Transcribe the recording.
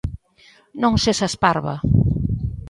¡Non sexas parva!